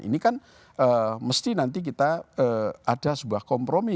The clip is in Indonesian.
ini kan mesti nanti kita ada sebuah kompromi